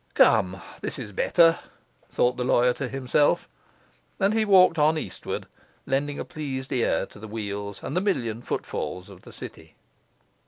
'Come, this is better,' thought the lawyer to himself, and he walked on eastward, lending a pleased ear to the wheels and the million footfalls of the city.